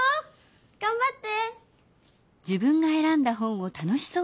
がんばって！